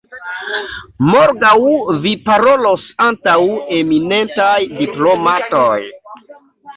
Morgaŭ Vi parolos antaŭ eminentaj diplomatoj!